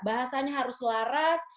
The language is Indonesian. bahasanya harus laras